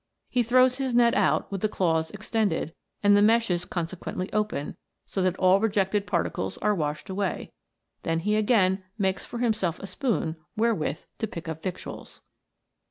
He throws his net out, with the claws extended, and the meshes consequently open, so that all rejected particles are washed away ; then he again makes for himself a spoon wherewith to pick up victuals.